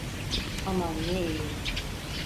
Aman ne iyi.